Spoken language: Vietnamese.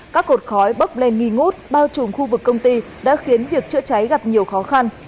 các cột khói bốc lên nghi ngút bao trùm khu vực công ty đã khiến việc chữa cháy gặp nhiều khó khăn